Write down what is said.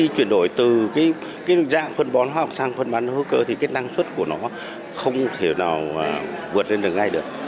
cái dạng phân bón hóa học sản phân bón hữu cơ thì cái năng suất của nó không thể nào vượt lên được ngay được